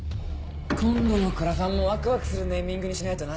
今度のクラファンもワクワクするネーミングにしないとな。